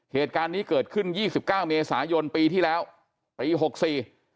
เหตุการณ์นี้เกิดขึ้น๒๙เมษายนปีที่แล้วปี๖๔